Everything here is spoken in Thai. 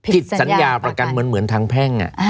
จิตสัญญาประกันเหมือนทางแพ่ง